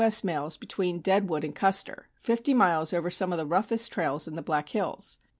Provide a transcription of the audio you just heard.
S. mails between Deadwood and Custer, fifty miles over some of the roughest trails in the Black Hills.